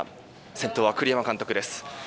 先頭は栗山監督です。